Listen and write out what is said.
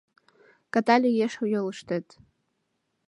Ката лиеш йолыштет